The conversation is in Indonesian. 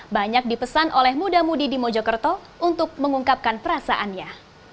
banyak dipesan oleh muda mudi di mojokerto untuk mengungkapkan perasaannya